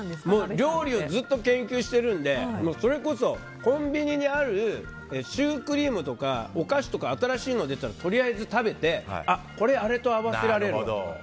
料理をずっと研究しているんでそれこそコンビニにあるシュークリームとかお菓子とか新しいの出たらとりあえず食べてこれ、あれと合わせられるとか。